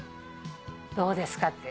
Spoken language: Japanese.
「どうですか？」